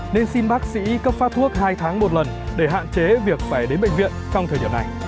nên xin bác sĩ cấp phát thuốc hai tháng một lần để hạn chế việc phải đến bệnh viện trong thời điểm này